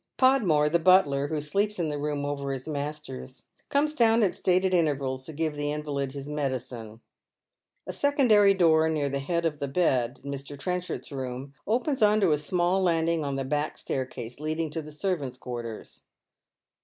Pod more, the butler, who sleeps in the room over his master's, comes down at stated intervals to give tlie invalid his medicine. A secondary door near the head of the bed in Mr. Trenchard's room opens on to a small landing on the back staircase leading to the servapts' quarters.